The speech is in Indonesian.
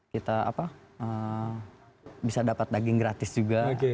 kita bisa dapat daging gratis juga